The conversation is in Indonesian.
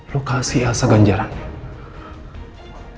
lo kasih elsa ganjarannya